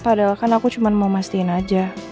padahal kan aku cuma mau mastiin aja